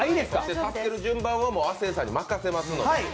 助ける順番は亜生さんに任せますので。